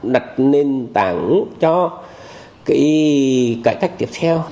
đặt nền tảng cho cái cải cách tiếp theo